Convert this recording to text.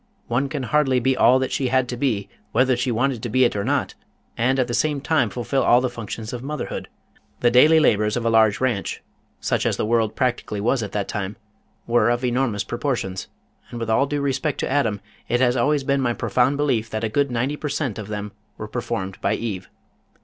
One can hardly be all that she had to be whether she wanted to be it or not and at the same time fulfill all the functions of motherhood. The daily labors of a large ranch such as the world practically was at that time were of enormous proportions, and with all due respect to Adam it has always been my profound belief that a good ninety per cent. of them were performed by Eve.